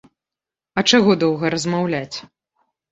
А чаго доўга размаўляць?